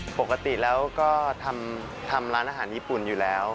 ปกติแล้วก็ทำร้านอาหารญี่ปุ่นอยู่แล้ว